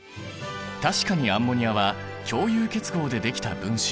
確かにアンモニアは共有結合でできた分子。